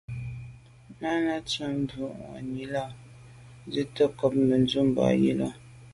Náná à’sə̌’ mbu’ŋwà’nǐ á lǒ’ nzi’tə ncob Mə̀dʉ̂mbὰ yi lα.